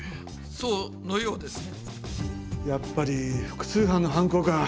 そのようですね。